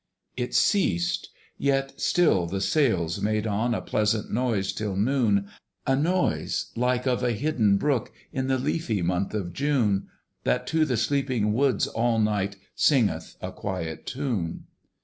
It ceased; yet still the sails made on A pleasant noise till noon, A noise like of a hidden brook In the leafy month of June, That to the sleeping woods all night Singeth a quiet tune.